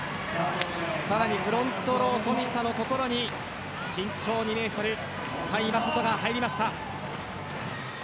さらに、フロントロー富田のところに身長２メートル甲斐優斗が入りました。